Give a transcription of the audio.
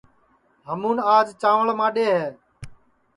ہمُون آج چانٚوݪ ماڈؔے ہے